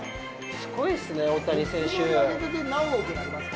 すごいですね、大谷選手。